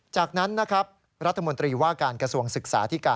จากนั้นนะครับรัฐมนตรีว่าการกระทรวงศึกษาที่การ